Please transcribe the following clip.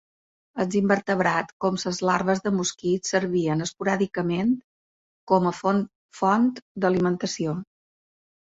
Els invertebrats, com les larves de mosquit, servien esporàdicament com a font d'alimentació.